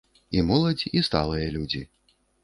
І моладзь, і сталыя людзі.